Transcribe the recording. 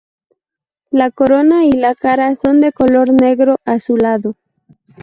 La corona y la cara son de color negro azulado.